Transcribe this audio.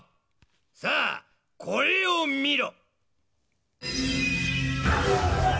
さあこれをみろ。